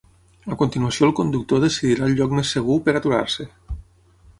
A continuació el conductor decidirà el lloc més segur per aturar-se.